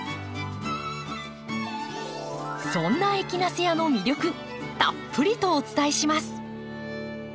そんなエキナセアの魅力たっぷりとお伝えします。